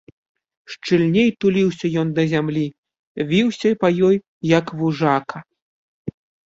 Шчыльней туліўся ён да зямлі, віўся па ёй, як вужака.